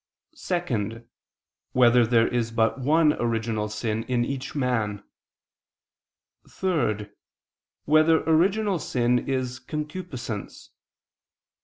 (2) Whether there is but one original sin in each man? (3) Whether original sin is concupiscence?